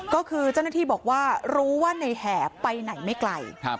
ก็คือเจ้าหน้าที่บอกว่ารู้ว่าในแหบไปไหนไม่ไกล